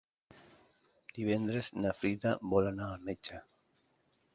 Divendres na Frida vol anar al metge.